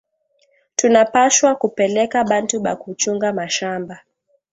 Tuna pashwa kupeleka bantu baku chunga mashamba